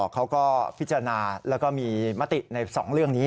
เขาก็พิจารณาแล้วก็มีมติใน๒เรื่องนี้